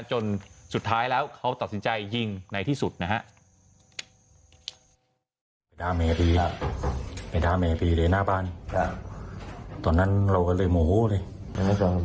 จนสุดท้ายแล้วเขาตัดสินใจยิงในที่สุดนะฮะ